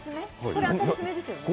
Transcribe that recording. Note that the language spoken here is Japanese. これ新しめですよね。